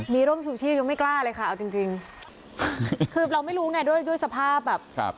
มีร่มชูชีพยังไม่กล้าเลยค่ะเอาจริงจริงคือเราไม่รู้ไงด้วยด้วยสภาพแบบครับ